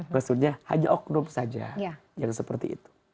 maksudnya hanya oknum saja yang seperti itu